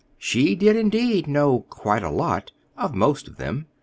She did, indeed, know "quite a lot" of most of them.